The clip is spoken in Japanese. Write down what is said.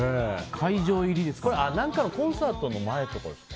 何かのコンサートの前とかですか？